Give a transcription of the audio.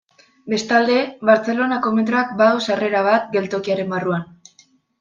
Bestalde, Bartzelonako metroak badu sarrera bat geltokiaren barruan.